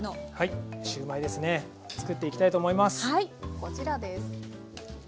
こちらです。